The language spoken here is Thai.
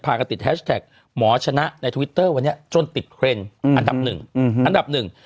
พากันติดแฮชแท็กหมอชนะในทวิตเตอร์วันนี้จนติดเทรนด์อันดับ๑